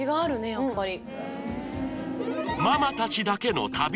やっぱり。